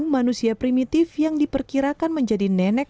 manusia primitif yang diperkirakan menjadi nenek